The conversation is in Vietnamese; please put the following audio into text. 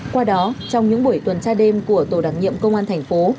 qua đó trong những buổi tuần tra đêm của tổ đặc nhiệm công an thành phố